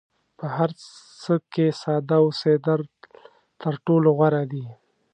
په هر څه کې ساده اوسېدل تر ټولو غوره دي.